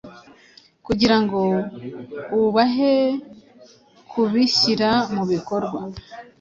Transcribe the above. kugirango ubahe kubihyira mubikorwa